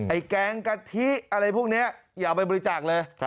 แกงกะทิอะไรพวกนี้อย่าเอาไปบริจาคเลย